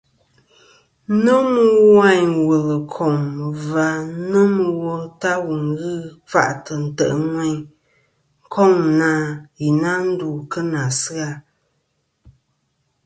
Nomɨ wayn wùl kom ɨkfà nomɨ wo ta wù ghɨ kfa'tɨ ntè' ŋweyn, koŋ na i na ndu kɨ nà asɨ-a.